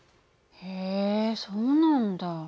へえそうなんだ。